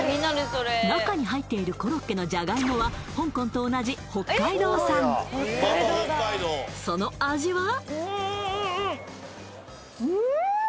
中に入っているコロッケのじゃがいもは香港と同じ北海道産その味は？